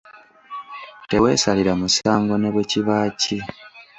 Teweesalira musango ne bwe kiba ki.